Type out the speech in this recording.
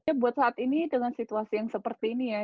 ya buat saat ini dengan situasi yang seperti ini ya